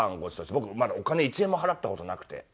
僕まだお金１円も払った事なくて。